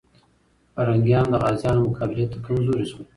پرنګیان د غازيانو مقابلې ته کمزوري سول.